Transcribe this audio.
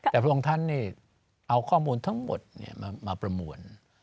แต่พวกท่านเนี่ยเอาข้อมูลทั้งหมดมาประมวล